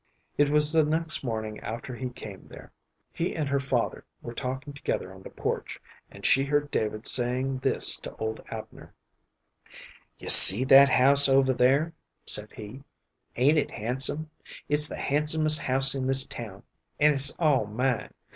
It was the next morning after he came there. He and her father were talking together on the porch, and she heard David saying this to old Abner: "You see that house over there," said he; "ain't it handsome? It's the handsomest house in this town, and it's all mine.